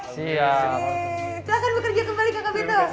silahkan bekerja kembali kakak beto